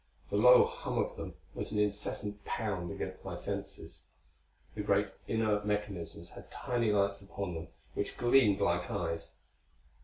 The low hum of them was an incessant pound against my senses. The great inert mechanisms had tiny lights upon them which gleamed like eyes.